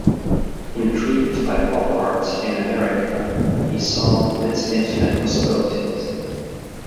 Intrigued by pop art in America, he saw its infinite possibilities.